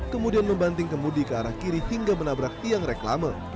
kemudian membanting kemudi ke arah kiri hingga menabrak tiang reklame